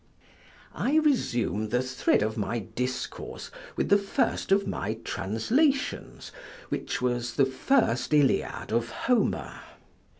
I resume the thrid of my discourse with the first of my translations, which was the First Iliad of Homer.